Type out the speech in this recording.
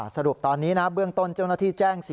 สรุปตอนนี้นะเบื้องต้นเจ้าหน้าที่แจ้ง